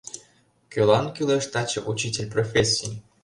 Кӧлан кӱлеш таче учитель профессий?